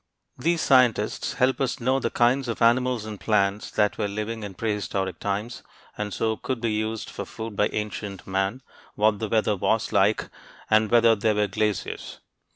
These scientists help us to know the kinds of animals and plants that were living in prehistoric times and so could be used for food by ancient man; what the weather was like; and whether there were glaciers.